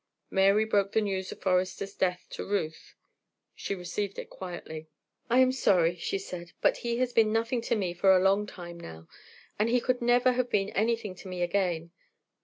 Mary broke the news of Forester's death to Ruth; she received it quietly. "I am sorry," she said, "but he has been nothing to me for a long time now, and he could never have been anything to me again.